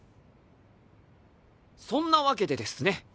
そんなわけでですね